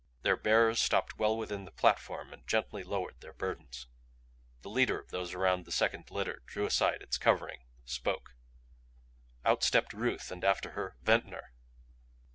Their bearers stopped well within the platform and gently lowered their burdens. The leader of those around the second litter drew aside its covering, spoke. Out stepped Ruth and after her Ventnor!